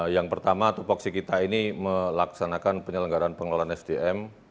yang pertama tupuksi kita ini melaksanakan penyelenggaran pengelolaan sdm